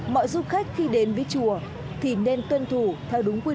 mọi du khách khi đến với chùa thì nên tuân thủ theo đúng quy định